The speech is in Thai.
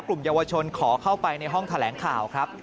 กลุ่มเยาวชนขอเข้าไปในห้องแถลงข่าวครับ